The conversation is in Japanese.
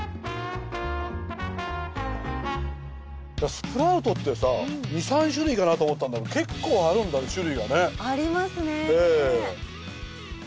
スプラウトってさ２３種類かなと思ったんだけど結構あるんだね種類がね。ありますね。